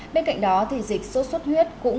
bên cạnh đó dịch sốt xuất huyết cũng vẫn tăng